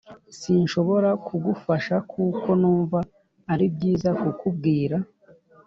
sinshobora kugufasha-kuko numva ari byiza kukubwira